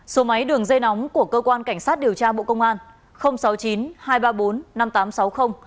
số máy đường dây nóng của cơ quan cảnh sát điều tra bộ công an sáu mươi chín hai trăm ba mươi bốn năm nghìn tám trăm sáu mươi